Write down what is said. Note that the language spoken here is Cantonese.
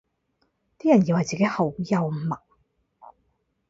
啲人以為自己好幽默